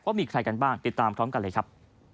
มีใครกันบ้างติดตามพร้อมกันเลยครับ